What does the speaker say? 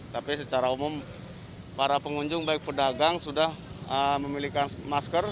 tapi secara umum para pengunjung baik pedagang sudah memiliki masker